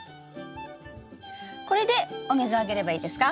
これでお水をあげればいいですか？